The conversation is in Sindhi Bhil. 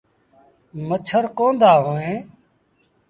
مڇر ڪوند هوئيݩ۔